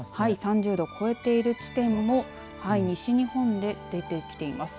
３０度を超えている地点も西日本で出てきています。